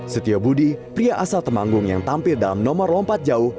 setio budi pria asal temanggung yang tampil dalam nomor lompat jauh